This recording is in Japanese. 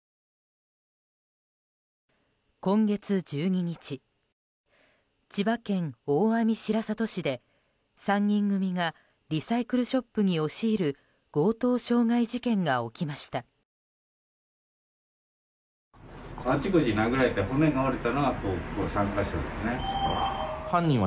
今月１２日千葉県大網白里市で３人組がリサイクルショップに押し入る強盗傷害事件が起きました。